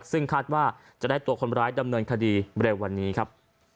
ซึ่งคาดว่าจะได้ตัวคนร้ายดำเนินคดีเร็ววันนี้ครับ